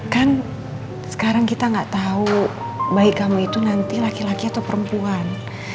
kan sekarang kita nggak tahu bayi kamu itu nanti laki laki atau perempuan